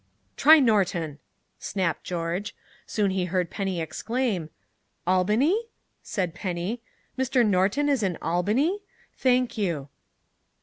"Try Norton," snapped George. Soon he heard Penny exclaim. "Albany?" said Penny. "Mr. Norton is in Albany? Thank you!"